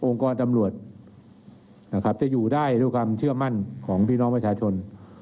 กรตำรวจนะครับจะอยู่ได้ด้วยความเชื่อมั่นของพี่น้องประชาชน